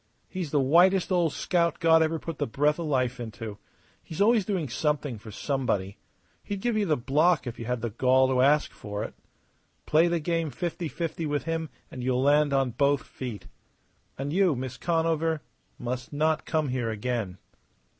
He's the whitest old scout God ever put the breath of life into. He's always doing something for somebody. He'd give you the block if you had the gall to ask for it. Play the game fifty fifty with him and you'll land on both feet. And you, Miss Conover, must not come here again."